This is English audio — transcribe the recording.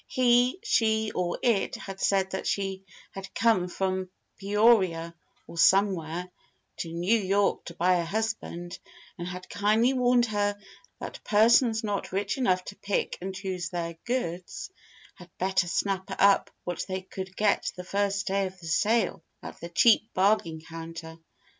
He, She, or It had said that she had come from "Peoria or somewhere" to New York to buy a husband, and had kindly warned her that persons not rich enough to pick and choose their goods had better snap up what they could get the first day of the sale, at the cheap bargain counter.